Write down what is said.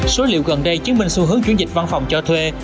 số liệu gần đây chứng minh xu hướng chuyển dịch văn phòng cho thuê